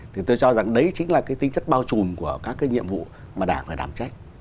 thì tôi cho rằng đấy chính là cái tính chất bao trùm của các cái nhiệm vụ mà đảng phải đảm trách